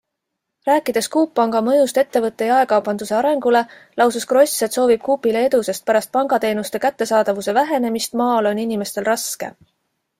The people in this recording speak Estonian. Rääkides Coop Panga mõjust ettevõtte jaekaubanduse arengule, lausus Gross, et soovib Coopile edu, sest pärast pangateenuste kättesaadavuse vähenemist maal on inimestel raske.